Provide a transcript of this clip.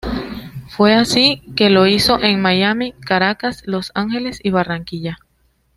Fue así que lo hizo en Miami, Caracas, Los Ángeles y Barranquilla.